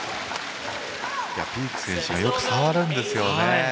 ピーク選手がよく触るんですよね。